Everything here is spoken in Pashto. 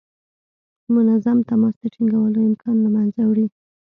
د منظم تماس د ټینګولو امکان له منځه وړي.